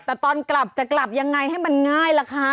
แต่ตอนกลับจะกลับยังไงให้มันง่ายล่ะคะ